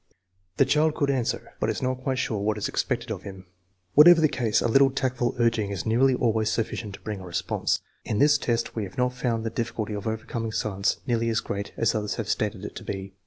The child could answer, but is not quite sure what is expected of him. Whatever the cause, a little tactful urging is nearly always sufficient to bring a response. In this test we have not found the difficulty of overcoming silence nearly as great as others have stated it to be.